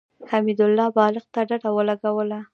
حميد بالښت ته ډډه ولګوله.